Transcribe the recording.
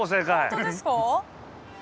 本当ですか？